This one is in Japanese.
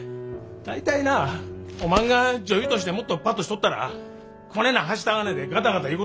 大体なおまんが女優としてもっとパッとしとったらこねなはした金でガタガタ言うことあれへんねん。